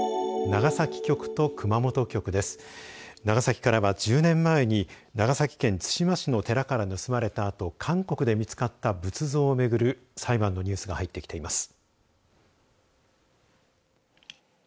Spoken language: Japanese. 長崎からは１０年前に長崎県対馬市の寺から盗まれたあと韓国で見つかった仏像を巡る裁判のニュースが入ってきています。